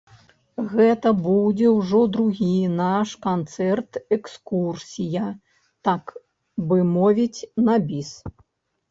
Гэта будзе ўжо другі наш канцэрт-экскурсія, так бы мовіць, на біс.